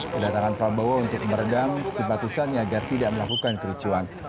kedatangan prabowo untuk meredam simpatisannya agar tidak melakukan kericuan